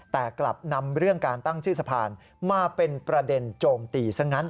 แต่กลับนำเรื่องการตั้งชื่อสะพานมาเป็นประเด็นโจมตีซะงั้น